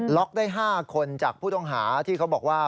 ล็อกได้๕คนจากผู้ต้องหาที่เขาบอกว่า